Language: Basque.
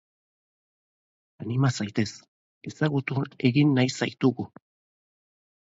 Anima zaitez, ezagutu egin nahi zaitugu!